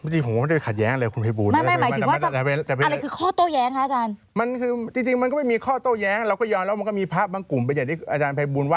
จริงผมไม่ได้ขัดแย้งอะไรคุณไภบูล